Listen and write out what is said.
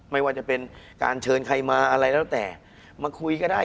ไม่ว่าจะเป็นการเชิญใครมาอะไรแล้วแต่มาคุยก็ได้